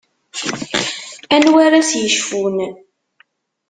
Anwa ara s-yecfun?